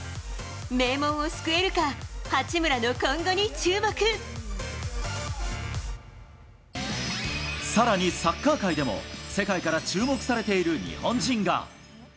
名門を救えるか、八村の今後に注さらにサッカー界でも、世界から注目されている日本人が。